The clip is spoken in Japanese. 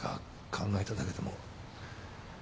考えただけでも。